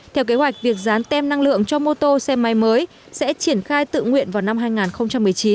theo kế hoạch việc dán tem năng lượng cho mô tô xe máy mới sẽ triển khai tự nguyện vào năm hai nghìn một mươi chín